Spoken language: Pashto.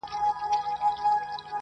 خو هيڅ نه سي ويلای تل،